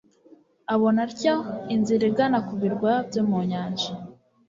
abona atyo inzira igana ku birwa byo mu nyanja